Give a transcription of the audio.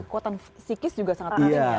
kekuatan psikis juga sangat tinggi ya